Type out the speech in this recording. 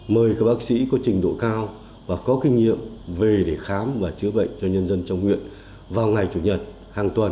mời các bác sĩ có trình độ cao và có kinh nghiệm về để khám và chữa bệnh cho nhân dân trong huyện vào ngày chủ nhật hàng tuần